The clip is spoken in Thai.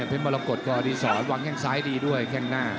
เพศมรกฏก็อดีตสอนตั้งใช้แข้งซ้ายดีด้วยแข้งหน้า